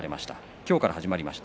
今日から始まりました。